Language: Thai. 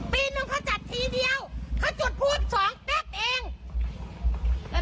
ปีหนึ่งเขาจัดทีเดียวเขาจุดพูดสองแป๊บเอง